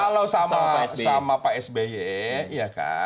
kalau sama pak sby